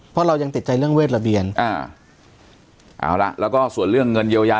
เพราะเรายังติดใจเรื่องเวทระเบียนอ่าเอาละแล้วก็ส่วนเรื่องเงินเยียวยา